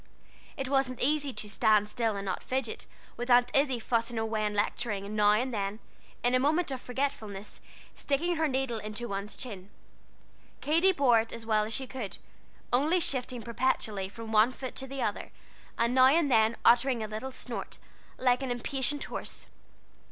It wasn't easy to "stand still and not fidget," with Aunt Izzie fussing away and lecturing, and now and then, in a moment of forgetfulness, sticking her needle into one's chin. Katy bore it as well as she could, only shifting perpetually from one foot to the other, and now and then uttering a little snort, like an impatient horse.